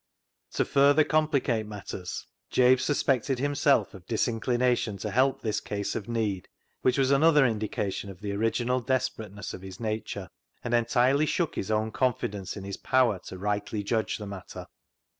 To further complicate matters, Jabe suspected himself of disinclination to help this case of need, which was another indication of the original desperateness of his nature, and entirely shook his own confidence in his power to rightly judge the matter.